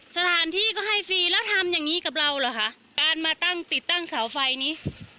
สถานที่ก็ให้ฟรีแล้วทำอย่างงี้กับเราเหรอคะการมาตั้งติดตั้งเสาไฟนี้